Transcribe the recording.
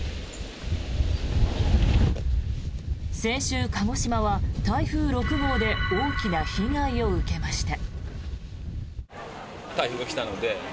先週、鹿児島は台風６号で大きな被害を受けました。